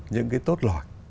những cái tốt loại